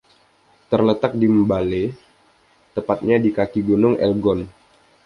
Terletak di Mbale, tepatnya di kaki Gunung Elgon.